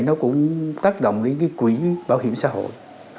nó cũng tác động đến cái quỹ bảo hiểm xã hội